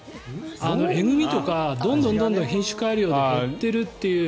あのえぐ味とかどんどん品種改良で減っているって。